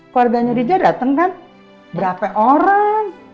keluarganya rija dateng kan berapa orang